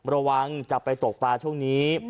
ระวังจะไปตกปลาช่วงนี้